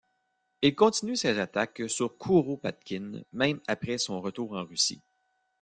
Il continue ses attaques sur Kouropatkine même après son retour en Russie.